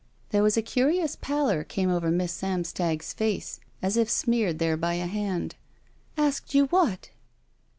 There was a curious pallor came over Miss Sam stag's face, as if smeared there by a hand. "Asked you what?"